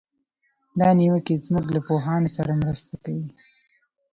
دا نیوکې زموږ له پوهانو سره مرسته کوي.